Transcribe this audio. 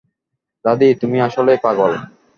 দাদী, তুমি আসলেই পাগল।